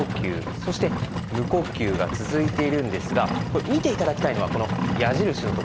そして「無呼吸」が続いているんですが見ていただきたいのはこの矢印の所。